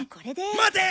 待て！